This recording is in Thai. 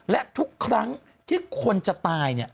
และทุกครั้งที่คนจะตาย